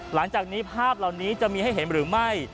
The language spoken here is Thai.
หลังจากนี้ภาพเหล่านี้จะมีให้เห็นหรือไม่